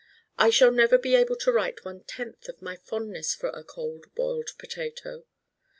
I shall never be able to write one tenth of my fondness for a Cold Boiled Potato.